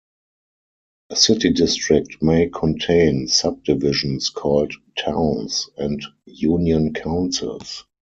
A city district may contain subdivisions called "Towns" and "Union Councils".